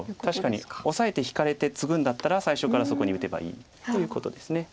確かにオサえて引かれてツグんだったら最初からそこに打てばいいということです。